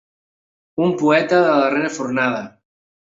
Un poeta de la darrera fornada.